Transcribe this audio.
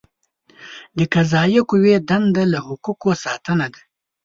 د قضائیه قوې دنده له حقوقو ساتنه ده.